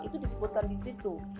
itu disebutkan di situ